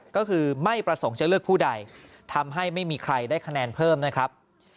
ก็คือไม่ประสงค์จะเลือกผู้ใดทำให้ไม่มีใครได้คะแนนเพิ่มนะครับ